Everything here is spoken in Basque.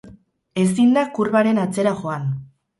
Ezin da kurbaren atzera joan.